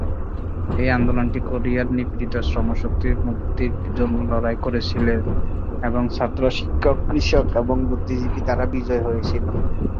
এই আন্দোলনটি কোরিয়ার নিপীড়িত শ্রমশক্তির মুক্তির জন্য লড়াই করেছিল এবং ছাত্র, শ্রমিক, কৃষক এবং বুদ্ধিজীবী দ্বারা বিজয়ী হয়েছিল।